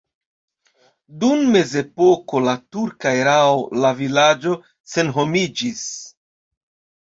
Dum mezepoko la turka erao la vilaĝo senhomiĝis.